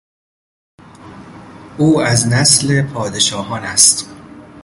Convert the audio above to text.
او از نسل پادشاهان است.